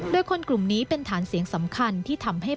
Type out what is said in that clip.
โดยคนกลุ่มนี้เป็นฐานเสียงสำคัญที่ทำให้